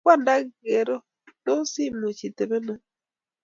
Kwanda ker ngotos imuchi itobeno ?